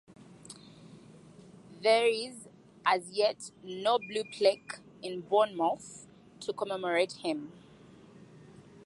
There is, as yet, no blue plaque in Bournemouth to commemorate him.